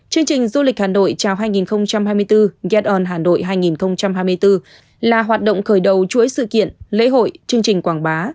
chương trình du lịch hà nội chào hai nghìn hai mươi bốn gaton hà nội hai nghìn hai mươi bốn là hoạt động khởi đầu chuỗi sự kiện lễ hội chương trình quảng bá